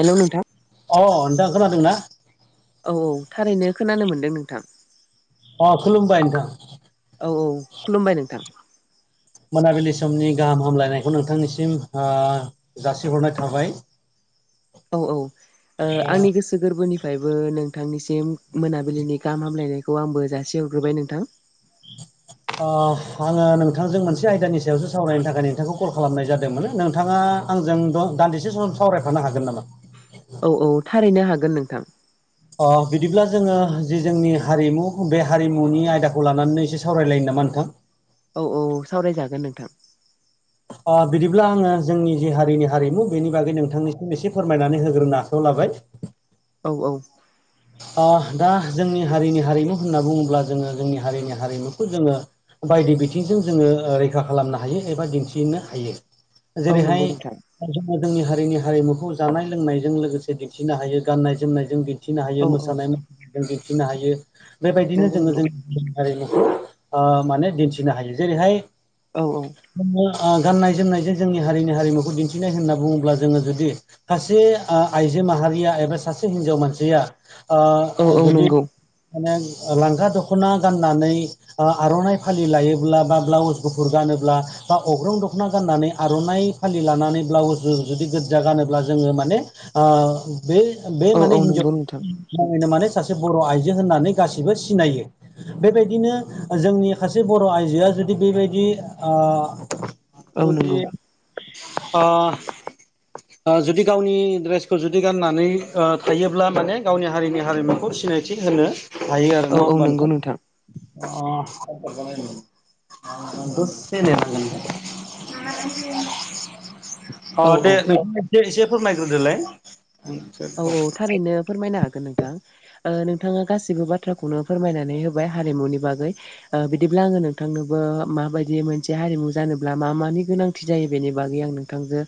हेल' नोंथां। अ नोंथां खोनादों ना? औ औ थारैनो खोनानो मोन्दों नोंथां। अ खुलुमबाय नोंथां। औ औ खुलुमबाय नोंथां। मोनाबिलि समनि गाहाम हामलायनायखौ नोंथांनिसिम ओ जासिहरनाय थाबाय। [inaudible] औ औ आंनि गोसो गोसो गोरबोनिफ्रायबो नोंथांनिसिम मोनाबिलिनि गाहाम हामलायनायखौ आंबो जासिहरग्रोबाय नोंथां। ओ आङो नोंथांजों मोनसे आयदानि सायावसो सावरायनो थाखाय नोंथांखौ कल खालामनाय जादोंमोन नोंथाङा आंजों द-दान्दिसे सम सावरायफानो हागोन नामा? औ औ थारैनो हागोन नोंथां। अ बिदिब्ला जोङो जे जोंनि हारिमु बे हारिमुनि आयदाखौ लानानैनो एसे सावरायलायो नामा नोंथां? औ औ सावरायजागोन नोंथां। अ बिदिब्ला आङो जोंनि जि हारिनि हारिमु बेनि बागै नोंथांनिसिम एसे फोरमायनानै होग्रोनो आखाइायाव लाबाय। औ औ दा जोंनि हारिनि हारिमु होनना बुङोब्ला जोङो जोंनि हारिनि हारिमुखौ जोङो बायदि बिथिंजों जोङो ओ रैखा खालामनो हायो एबा दिन्थिनो हायो औ जेरैहाय नंगौ नोंथां बा जोङो जोंनि हारिनि हारिमुखौ जानाय लोंनायजों लोगोसे दिन्थिनो हायो गाननाय जोमनायजों दिन्थि नो हायो औ औ मोसानाय [unintelligible] दिन्थिनो हायो बेबायदिनो नंगौ जोङो नंगौ जों हारिमुखौ ओ माने दिन्थिनो हायो जेरैहाय औ औ। गाननाय जोमनायजों जोंनि हारिनि हारिमुखौ दिन्थिनाय होनना बुङोब्ला जोङो जुदि सासे आइजो माहारिया एबा सासे हिन्जाव मानसिया औ औ जुदि नंगौ माने लांगा दख'ना गाननानै आ आर'नाइ फालि लायोब्ला बा ब्लाउस गुफुर गानोब्ला बा अग्रं दख'ना गाननानै आर'नाइ फालि लानानै ब्लाउसजों जुदि गोजा गानोब्ला जोङो माने आ बे बे औ माने औ नंगौ नोंथां हिनजाव माने सासे बर' आइजो होननानै गासिबो सिनायो। बेबायदिनो जोंनि सासे बर' आइजोआ जुदि बेबायदि औ जुदि नंगौ ओ ओ जुदि गावनि ड्रेसखौ जुदि गाननानै ओ थायो ब्ला माने गावनि हारिनि हारिमुखौ सिनायथि होनो हायो आरो औ नङा औ होमबा नंगौ नोंथां? अ अ [unintelligible] ददसे नेनांगोन [unintelligible] अ औ दे औ नोंथाङा एसे एसे फोरमायग्रोदोलाय। औ औ थारैनो फोरमायनो हागोन नोंथां। ओ नोंथाङा गासिबो बाथ्राखौनो फोरमायनानै होबाय हारिमुनि बागै। ओ बिदिब्ला आङो नोंथांनोबो माबायदि मोनसे हारिमु जानोब्ला मा मानि गोनांथि जायो बेनि बागै आं नों थांजों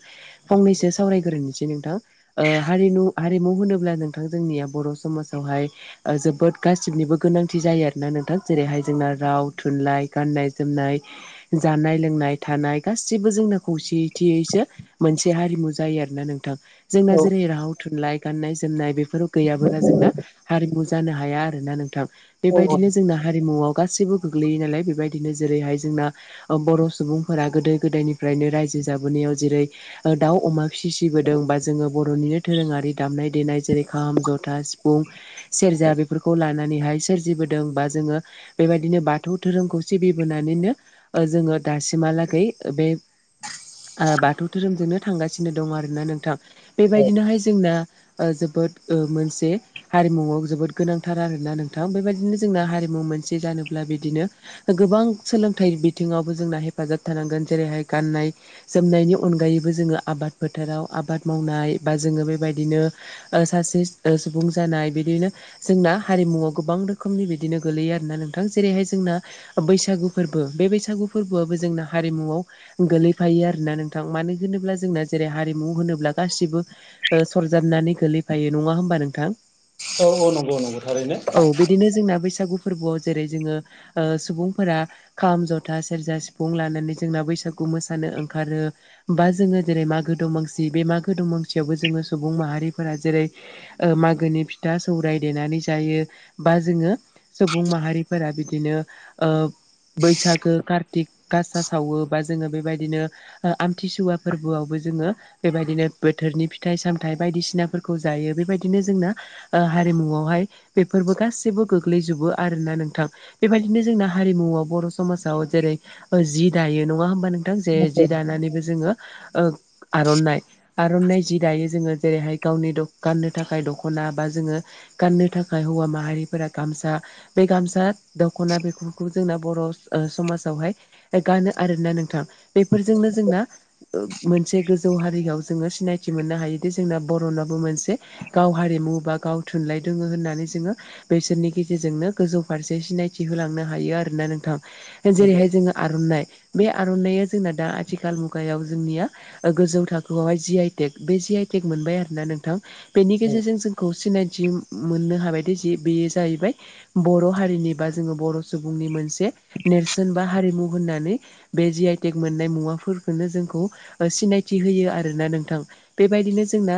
फंनैसो सावरायग्रोनोसै नोंथां ओ हारिमु हारिमु होनोब्ला नोंथां जोंनिया बर' समाजावहाय जोबोद गासिबनिबो गोनांथि जायो आरोना नोंथां जेरैहाय जोंना राव थुनलाइ गाननाय जोमनाय जानाय लोंनाय थानाय गासिबबो जोंनो खौसेयैथियैसो मोनसे हारिमु जायो आरोना नों थां जोंना जेरै राव थुनलाइ गाननाय जोमनाय बेफोराव गैयाबोला जोंना हारिमु जानो हाया आरोना नोंथां औ बेबायदिनो जोंना हारिमुआव गासैबो गोग्लैयो नालाय बेबायदिनो जेरैहाय जोंना अ बर' सुबुंफोरा गोदो गोदायनिफ्रायनो रायजो जाबोनायाव जेरै दाउ अमा फिसिबोदों बा जोङो बर'निनो दोरोङारि दामनाय देनाय जेरै खाम जथा सिफुं सेरजा बेफोरखौ ला नानैहाय सोरजिबोदों बा जोङो बेबायदिनो बाथौ धोरोमखौ सिबिबोनानैनो ओ जोङो दासिमहालागै बे ओ बाथौ धोरोमजोंनो थांगासिनो दं आरो ना नोंथां बेबायदिनोहाय जोंना जोबोद मोनसे हारिमुवआव जोबोद गोनांथार आरोना नोंथां बेबायदिनो जोंना हारिमु मोनसे जानोब्ला बिदिनो गोबां सोलोंथाइ बिथिङावबो जोंना हेफाजाब थानांगोन जेरैहाय गाननाय जोमनायनि अनगायैबो जोङो आबाद फोथाराव आबाद मावनाय बा जोङो बेबायदिनो सासे सुबुं जानाय बिदिनो जोंना हारिमुआव गोबां रोखोमनि बिदिनो गोलैयो आरोना नोंथां जेरैहाय जोंना बैसागु फोरबो बे बैसागु फोरबोआबो जोंना हारिमुआव गोलैफायो आरोोना नोंथां मानो होनोब्ला जोंना जेरै हारिमु होनोब्ला गासिबो सरजाबनानै गोलैफायो नङा होमबा नोंथां औ औ नंगौ नंगौ थारैनो। औ बिदिनो जोंना बैसागु फोरबोआव जेरै जोङो ओ सुबुंफोरा खाम जथा सेरजा सिफुं लानानै जोंना बैसागु मोसानो ओंखारो। बा जोङो जेरै मागो दमासि बे मागो दमांसियावबो जोङो सुबुं माहारिफोरा जेरै मागोनि फिथा सौराय देनानै जायो बा जोङो सुबुं माहारिफोरा बिदिनो ओ बैसागो कार्तिक गासा सावो बा जोङो बेबायदिनो ओ आमथिसुवा फोरबोआवबो जोङो बेबायदिनो बोथोरनि फि फिथाइ सामथाइ बायदिसिनाफोरखौ जायो बेबायदिनो जोंना ओ हारिमुआवहाय बेफोरबो गासैबो गोग्लैजोबो आरोना नोंथां? बेबायदिनो जोंना हारिमुआव बर' समाजाव जेरै जि दायो नङा होमबा नों जे जि दानानैबो जोङो ओ आर'नाय आर'नाय जि दायो जोङो जेरैहाय गावनि गाननो थाखाय दख'ना बा जोङो गाननो थाखाय हौवा माहारिफोरा गामसा बे गामसा दख'ना बेफोरखौ जोंना बर' समाजावहाय गानो आरो ना नोंथां बेफोरजोंनो जोंना ओ मोनसे गोजौ हारियाव जोङो सिनायथि मोननो हायोदि जोंना बर'नाबो मोनसे गाव हारिमु बा गाव थुनलाइ दोङो होननानै जोङो बेसोरनि गेजेरजोंनो गोजौ फारसे सिनायथि होलांनो हायो आरो ना नोंथां औ जेरैहाय नंगौ जोङो आर'नाइ बे आर'नाइा जोंना दा आथिखाल मुगायाव जोंनिया गोजौ थाखोआवहाय जि आइटेक बे जि आइटेक मोनबाय आरो ना नोंथां बेनि गेजेरजों जोंखौ सिनायथि मोननो हाबायदि ज बेयो जाहैबाय बर' हारिनि बा जोङो बर' सुबुंनि मोनसे नेरसोन बा हारिमु होननानै बे जि आइटेक मोननाय मुवाफोरखौनो जोंखौ सिनायथि होयो आरोना नोंथां बेबायदिनो जोंना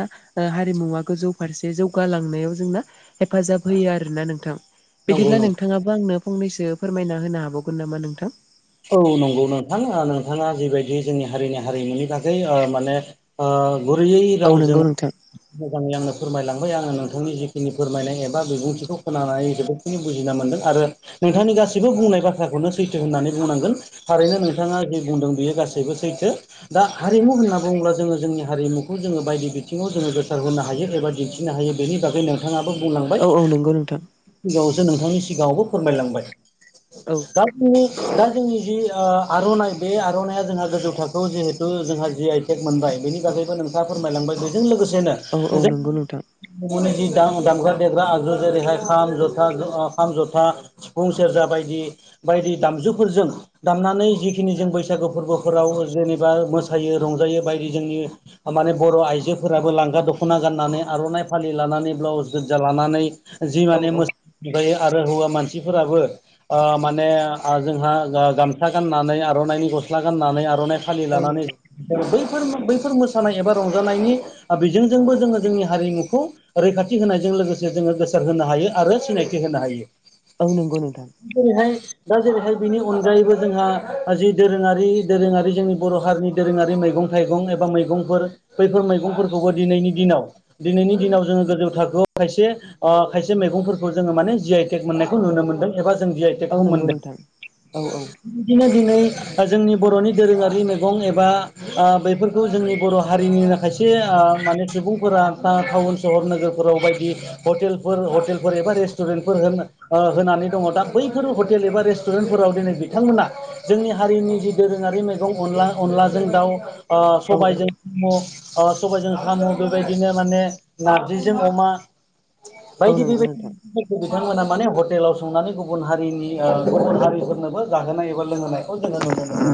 हारिमुवा गोजौ फारसे जौगालांनायाव जोंना हेफाजाब होयो आरोना नोंथां। नंगौ बिदिब्ला नोंथाङाबो आंनो फंनैसो फोरमायना होनो हाबावगोन नामा नोंथां औ नंगौ नोंथां ओ नोंथाङा जिबायदि जोंनि हारिनि हारिमुनि थाखाय ओ माने गुरैयै औ रावजों नंगौ नोंथां मोजाङै आंनो फोरमायलांबाय आङो नोंथांनि जिखिनि फोरमायनाय एबा बिबुंथिखौ खोनानानै होदों बुजिना मोनदों आरो नोंथांनि गासिबो बुंनाय बाथ्राखौनो सैथो होननानै बुंनांगोन थारैनो नोंथाङा जि बुंदों बेयो गासैबो सैथो दा हारिमु होनना बुङोब्ला जोङो जोंनि हारिमुखौ जोङो बायदि बिथिङाव जोङो गोसारहोनो हायो एबा दिन्थि नो हायो बेनि बागै नों नोंथाङाबो बुंलांबाय औ औ नंगौ नोंथां [unintelligible] नोंथांनि सिगाङावबो फोरमायलांबाय। औ [unintelligible] दा जोंनि जि ओ आर'नाइ बे आर'नाइया जोंहा गोजौ थाखोआव जिहेथु जोंहा जि आइ केक मोनबाय बेनि थाखायैबो नोंथाङा फोरमायलांबाय बेजों लोगोसेनो औ जे नंगौ नोंथां निजि दा-दामग्रा देग्रा आगजु जेरैहाय खाम जथा ओ खाम जथा सिफुं सेरजा बायदि बायदि दामजुफोरजों दामनानै जिखिनि जों बैसागु फोरबोफोराव जेनेबा मोसायो रंजायो बायदि जोंनि माने बर' आइजोफोराबो लांगा दख'ना गाननानै आर'नाइ फालि लानानै ब्लाउस गोजा लानानै जि औ माने औ मोसायो आरो हौवा मानसिफोराबो ओ माने जोंहा गामसा गाननानै आर'नाइनि गस्ला गाननानै आर'नाइ फालि औ लानानै नंगौ बैफोर बैफोर मोसानाय एबा रंजानायनि बिजोंजोंबो जोङो जोंनि हारिमुखौ रैखाथि होनायजों लोगोसे जोङो गोसार होनो हायो आरो सिनायथि होनो हायो। औ नंगौ नोंथां बेहाय दा जेरैहाय बिनि अनगायैबो जोंहा जि दोरोङारि दोरोङारि जोंनि बर' हारिनि दोरोङारि मैगं थाइगं एबा मैगंफोर बैफोर मैगंफोरखौबो दिनैनि दिनाव दिनैनि दिनाव जोङो गोजौ थाखोआव खायसे अ खायसे मैगंफोरखौ जोङो माने जि आइ टेक मोननायखौ नुनो मोनदों एबा जों जि आइ औ खौ नंगौ मोनदों नोंथां औ औ बिदिनो दिनै जोंनि बर'नि दोरोङारि मैगं एबा बेफोरखौ जोंनि बर' हारिनि खायसे आ माने सुबुंफोरा बा टाउन सहर नोगोरफोराव बायदि हतेलफोर हतेलफोर एबा रेस्टुरेन्टफोर ओ होनानै दङ दा बैफोर हटेल एबा रेस्टु रेसट'रेन्टफोराव दिनै बिथांमोना जोंनि हारिनि जि दोरोङारि मैगं अनला अनलाजों दाउ ओ औ औ सबायजों स सबायजों साम' बेबायदिनो माने नारजिजों अमा औ बायदि नंगौ नोंथां बेबायदिफोरखौ बिथांमोना माने हटेलाव संनानै गुबुन हारिनि ओ गुबुन हारिफोरनोबो जाहोनाय एबा लोंहोनायखौ जोङो नुनो मोनो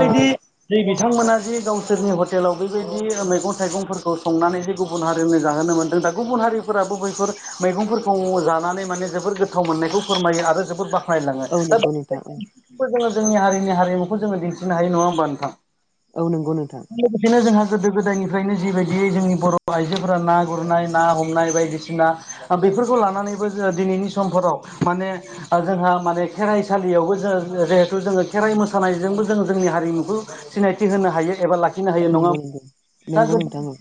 औ औ जै बिथांमोना जे गावसोरनि हटेलाव बैबायदि मैगं थाइगंफोरखौ संनानै जे गुबुन हारिनि जाहोनो मोनदों दा गुबुन हारिफोराबो बैफोर मैगंफोरखौ जानानै माने जोबोर गो गोथाव मोननायखौ फोरमायो आरो जोबोद बाख्नायलाङो औ दा नंगौ नोंथां औ खौ जोङो जोंनि हारिनि हारिमुखौ जोङो दिन्थिनो हायो नङा होमबा नोंथां औ नंगौ नोंथां लोगोसेनो जोंहा गोदो गोदायनिफ्रायनो जिबायदियै जोंनि बर' आइजोफोरा ना गुरनाय ना हमनाय बायदिसिना अ बेफोरखौ लानानैबो जोङो दिनैनि समफोराव माने ओ जोंहा माने खेराइसालियावबो जो जिहेथु जोङो खेराइ मोसानायजोंबो जोङो जोंनि हारिमुखौ सिनायथि होनो हायो एबा लाखिनो औ हायो नङा नंगौ नंगौ दा नंगौ गोब नोंथां औ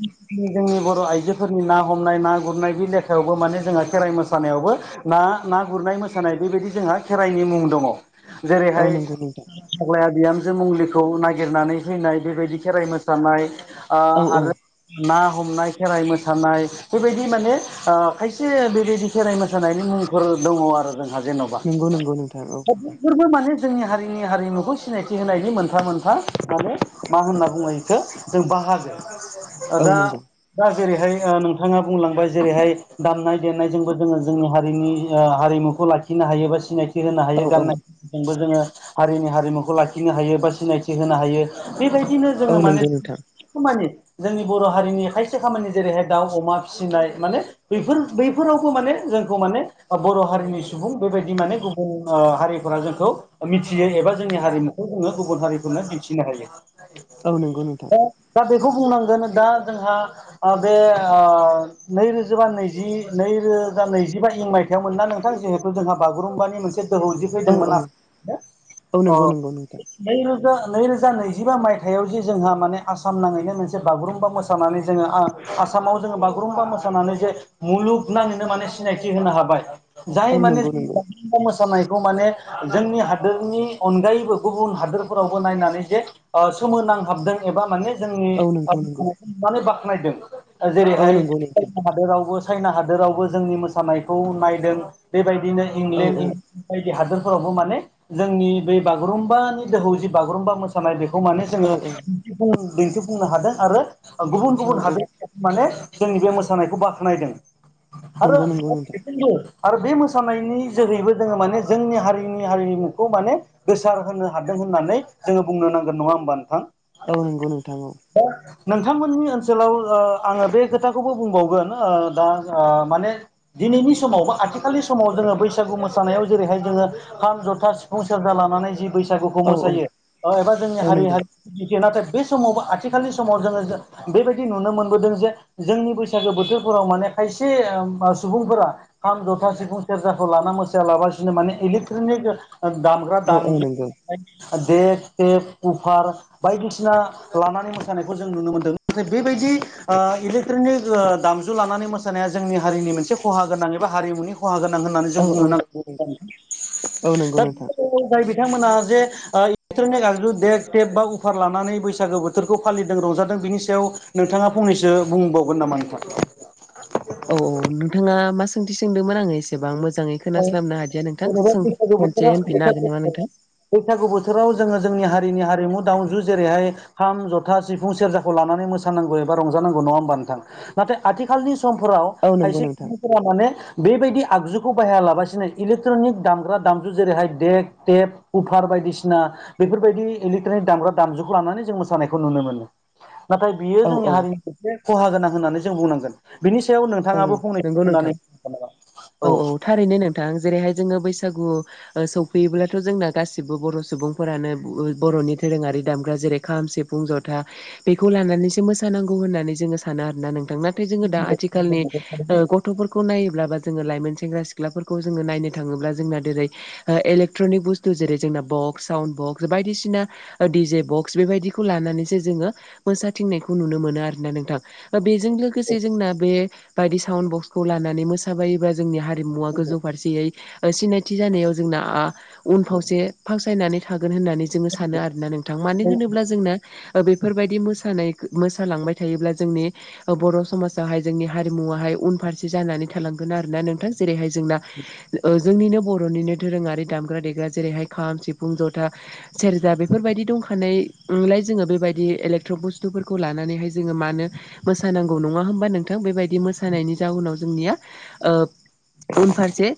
जोंनि बर' आइजोफोरनि ना हमनाय ना गुरनाय बे लेखायावबो माने जोंहा खेराइ मोसानायावबो ना ना गुरनाय मोसानाय बेबायदि जोंहा खेराइनि मुं दङ औ जेरैहाय नंगौ नोंथां फाग्लाया बिहामजो मंलिखौ नागिरनानै फैनाय बेबायदि खेराइ मोसानाय आ औ औ आरो ना हमनाय खेराइ मोसानाय बेबायदि माने खायसे बेबायदि खेराय मोसानायनि मुंफोर दङ आरो जोंहा जेन'बा नंगौ नंगौ नोंथां औ दा बेफोरबो माने जोंनि हारिनि हारिमुखौ सिनायथि होनायनि मोनफा मोनफा माने मा होनना बुङो बेखौ जों बाहागो ओ औ दा नंगौ दा जेरैहाय नोंथाङा बुंलांबाय जेरैहाय दामनाय देनायजोंबो जोङो जोंनि हारिनि हारिमुखौ खौ लाखिनो हायो बा सिनायथि होनो औ हायो औ गाननाय जोंबो जोङो हारिनि हारिमुखौ लाखिनो हायो बा सिनायथि होनो हायो बेबायदिनो औ जोङो माने नंगौ नोंथां खामानि जोंनि बर' हारिनि खायसे खामानि जेरैहाय दाउ अमा फिसिनाय माने बेफोर बैफोरावबो माने जोंखौ माने बर' हारिनि सुबुं बेबायदि माने गुबुन हारिफोरा जोंखौ मिथियो एबा जोंनि हारिमुखौ जोङो गुबुन हारिफोरनो दिन्थिनो हायो औ नंगौ नोंथां दा दा बेखौ बुंनांगोन दा जोंहा आ बे आ नैरोजाबा नैजि नैरोजा नैजिबा इं मायथाइयाव मोनना नोंथां जिहेथु जोंहा बागुरुम्बानि मोनसे दोहौ जे औ फैदोंमोन आ औ औ नंगौ नंगौ नोंथां नैरोजा नैरोजा नैजिबा मायथाइयाव जे जोंहा माने आसाम नाङैनो मोनसे बागुरुम्बा मोसानानै जोङो आं आसामाव जोङो बागुरुम्बा मोसानानै जे मुलुगनाङैनो माने सिनायथि होनो हाबाय औ जाय माने नंगौ नंगौ खौ मोसानायखौ माने जोंनि हादोरनि अनगायैबो गुबुन हादोरफोरावबो नायनानै जे सोमोनांहाबदों एबा माने औ जोंनि नंगौ नंगौ [unintelligible] बाख्नायदों ओ औ जेरैहाय नंगौ नोंथां [unintelligible] जेरावबो चाइना हादोरावबो जोंनि मोसानायखौ नायदों बेबायदिनो औ इंलेण्ड औ इन बायदि हादोरफोरावबो माने जोंनि बे बागुरुम्बानि दोहौ जि बागुरुम्बा मोसा नाय बेखौ माने जोङो औ दिन्थिफुं दिन्थिफुंनो हादों आरो गुबुन औ गुबुन औ हादोर माने जोंनि बे मोसानायखौ बाख्नायदों आरो नंगौ नंगौ नोंथां बेफोरबो आरो बे मोसानायनि जोहैबो जोङो माने जोंनि हारिनि हारिमुखौ माने गोसार होनो हादों होननानै जोङो बुंनो नांगोन नङा होमबा नोंथां? औ नंगौ नोंथां औ [unintelligible] नोंथांमोननि ओनसोलाव ओ आङो बे खोथाखौबो बुंबावगोन ओ दा ओ माने दिनैनि समाव बा आथिखालनि समाव जोङो बैसा गु मोसानायाव जेरैहाय जोङो खाम जथा सिफुं सेरजा लानानै जि बैसागुखौ औ मोसायो औ ओ एबा जोंनि औ हारि नंगौ हारि [unintelligible] नाथाय बे समाव आथिखालनि समाव जोङो बेबायदि नुनो मोनबोदों जे जोंनि बैसागो बोथोरफोराव माने खायसे ओ सुबुंफोरा खाम जथा सिफुं सेरजा खौ लाना मोसाया लाबासिनो माने इलेक्ट्रनिक दामग्रा औ औ दामजु नंगौ देक टेप कुफार बायदिसिना लानानै मोसानायखौ जों नुनो मोनदों नाथाय बेबायदि ओ इलेक्ट्रनिक दामजु लानानै मोसा नाया जोंनि हारिनि मोनसे खहा गोनां एबा हारिमुनि खहा गोनां होननानै जों औ बुंनो औ नांग नंगौ औ नंगौ दा नोंथां [unintelligible] जाय बिथांमोना जे ओ इलेक्ट्रनिक आगजु डेग टेप बा [unintelligible] लानानै बैसागो बो बोथोरखौ फालिदों रंजादों बेनि सायाव नोंथाङा फंनैसो बुंबावगोन नामा नोंथां? औ औ नोंथाङा मा सोंथि सोंदोंमोन आङो एसेबां मोजाङै औ खोनास्लाबनो हादिया नोंथां जेनेबा सों बैसागु खनसे बोथोरा होनफिननो हागोन बैसागु नामा नोंथां? बैसागु बोथोराव जोङो जोंनि हारिनि हारिमु दामजु जेरैहाय खाम जथा सिफुं सेरजाखौ लानानै मोसानांगौ एबा रंजानांगौ नङा होमबा नोंथां? नाथाय आथिखालनि समफोराव औ नंगौ खायसे नोंथां सुबुंफोरा माने बेबायदि आगजु खौ बाहायालासिनो इलेक्ट्रनिक दामग्रा दामजु जेरैहाय डेक टेप [unintelligible] बायदिसिना बेफोरबायदि इलेकट्रनिक दामग्रा दामजुखौ लानानै जों मोसानायखौ नुनो मोनो नाथाय बियो औ जोंनि औ हारिनि मोनसे खहा गोनां होननानै जों बुंनांगोन। बिनि सायाव औ नोंथाङाबो नंगौ फंनैसो नोंथां बुंनानै [unintelligible] औ औ थारैनो नोंथां जेरैहाय जोङो बैसागु ओ सौफैयोब्लाथ' जोंना गासिबो बर' सुबुंफोरानो बर'नि दोरोङारि दामग्रा जेरै खाम सि फुं जथा बेखौ लानानैसो मोसानांगौ होननानै जोङो सानो आरोना नोंथां ना थाय जोङो दा आथिखालनि ओ गथ'फोरखौ नायोब्ला बा जोङो लाइमोन सेंग्रा सिख्लाफोरखौ जोङो नायनो थाङोब्ला जोंना देरै ओ इलेक्ट्रनिक बुस्थु जेरै जोंना बक्स साउन्ड बक्स बायदिसिना डिजे बक्स बेबायदिखौ लानानैसो जोङो मोसाथिंनायखौ नुनो मोनो आरोना नोंथां। ओ बेजों लोगोसे जोंना बे बायदि साउड बक्सखौ लानानै मोसाबायोबा जोंनि हारिमुवा गोजौ फारसे दियै सिनायथि जानायाव जोंना आ उन फावसे फासायनानै थागोन होननानै जोङो सानो आरोना नोंथां मानो औ होनोब्ला जोंना ओ बेफोरबायदि मोसानाय मोसालांबाय थायोब्ला जोंनि बर' समाजावहाय जोंनि हारिमुवाहाय उनफारसे जानानै थालांगोन आरो ना नोंथां। जेरैहाय जोंना जोंनिनो बर'निनो दोरोङारि दामग्रा दे ग्रा जेरैहाय खाम सिफुं जथा सेरजा बेफोरबायदि दंखानायलाय जोङो बेबायदि इलेक्ट्रक बुस्थुफोरखौ लानानैहाय जोङो माहोनो मोसा नांगौ नङा होनोमबा नों थां बेबायदि मोसानायनि जाउनाव जोंनिया ओ उनफारसे